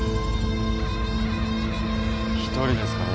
一人ですかね？